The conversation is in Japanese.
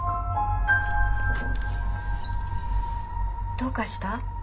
どうかした？